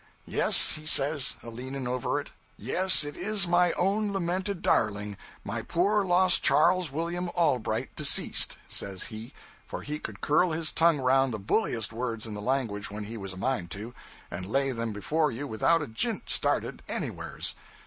'"Yes," he says, a leaning over it, "yes, it is my own lamented darling, my poor lost Charles William Allbright deceased," says he, for he could curl his tongue around the bulliest words in the language when he was a mind to, and lay them before you without a jint started, anywheres.